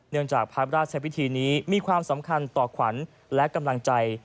จากพระราชพิธีนี้มีความสำคัญต่อขวัญและกำลังใจ